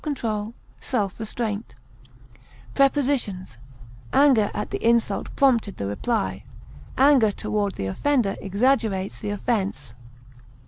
gentleness, love, peaceableness, Prepositions: Anger at the insult prompted the reply. Anger toward the offender exaggerates the offense.